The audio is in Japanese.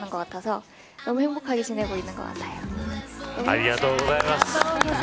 ありがとうございます。